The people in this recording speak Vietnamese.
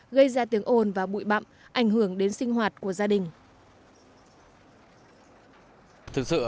gây ra tiếng ồn và bụi bậm ảnh hưởng đến sinh hoạt của gia đình